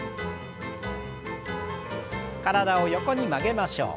体を横に曲げましょう。